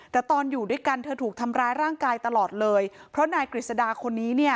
แต่ตอนอยู่ด้วยกันเธอถูกทำร้ายร่างกายตลอดเลยเพราะนายกฤษดาคนนี้เนี่ย